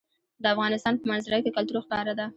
د افغانستان په منظره کې کلتور ښکاره ده.